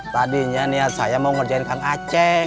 tadinya niat saya mau ngerjain kang aceh